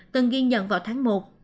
từng ghi nhận vào tháng một